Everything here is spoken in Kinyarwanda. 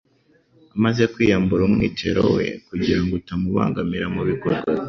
Amaze kwiyambura umwitero we kugira ngo utamubangamira mu bikorwa bye,